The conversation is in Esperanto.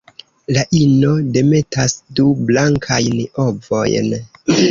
La ino demetas du blankajn ovojn.